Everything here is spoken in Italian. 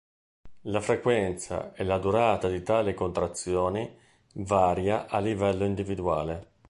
La frequenza e la durata di tali contrazioni varia a livello individuale.